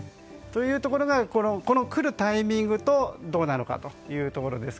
というところが来るタイミングとどうなのかというところです。